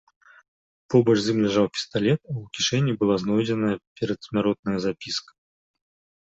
Побач з ім ляжаў пісталет, а ў кішэні была знойдзеная перадсмяротная запіска.